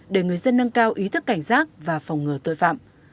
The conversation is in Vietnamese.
để người dân nâng cao ý thức cảnh giác và phòng ngừa tội phạm